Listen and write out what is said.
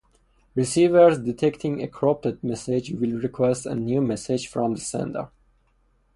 Receivers detecting a corrupted message will request a new message from the sender.